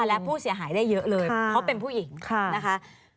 และผู้เสียหายได้เยอะเลยเพราะเป็นผู้หญิงนะคะ